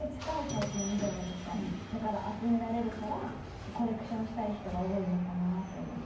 だから、集められるからコレクションしたい人が多いのかなと思って。